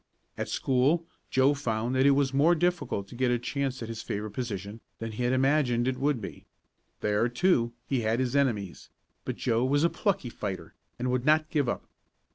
At school Joe found that it was more difficult to get a chance at his favorite position than he had imagined it would be. There, too, he had his enemies; but Joe was a plucky fighter, and would not give up.